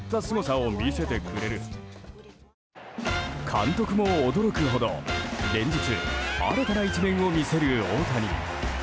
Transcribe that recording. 監督も驚くほど連日、新たな一面を見せる大谷。